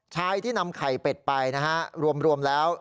ชายที่นำไข่เป็ดไปนะฮะรวมแล้ว